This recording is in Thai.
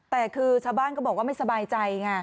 แต่คือชาวบ้านก็บอกว่าไม่สบายใจไง